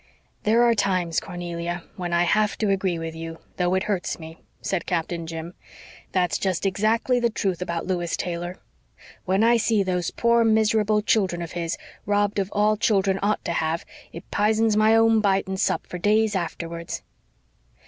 "There are times, Cornelia, when I have to agree with you, though it hurts me," said Captain Jim. "That's just exactly the truth about Lewis Taylor. When I see those poor, miserable children of his, robbed of all children ought to have, it p'isens my own bite and sup for days afterwards."